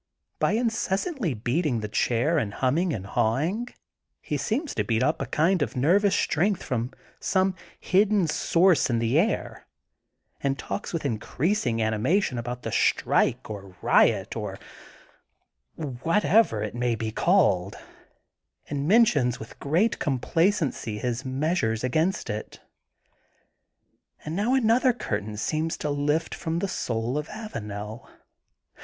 By incessantly beating the chair and hum ming and hawing he seems to beat up a kind of nervous strength from some hidden source in the air and talks with increasing animation about the strike'' or riof or whatever it may be called'' and mentiqns with great complacency his measures against it. And THE GOLDEN BOOK OF SPBINGFIELD 158 now another onrtain seems to lift from the soul of Avanel.